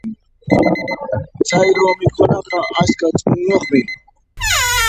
Chayru mikhunaqa askha ch'uñuyuqmi.